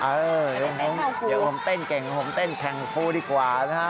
เออเดี๋ยวผมเต้นเก่งผมเต้นแข่งฟูดีกว่านะฮะ